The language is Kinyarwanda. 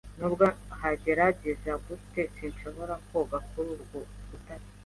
Nubwo nagerageza gute, sinshobora koga kuri urwo rutare.